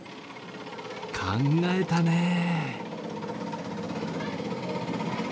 考えたねえ。